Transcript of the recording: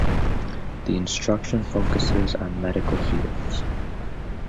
The instruction focuses on medical fields.